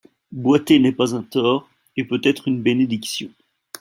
Boiter n'est pas un tort, et peut être une bénédiction.